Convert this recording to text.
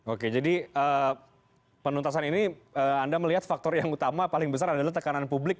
oke jadi penuntasan ini anda melihat faktor yang utama paling besar adalah tekanan publik